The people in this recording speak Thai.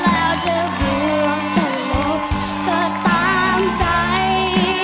แล้วเธอกลัวชะลบก็ตามใจ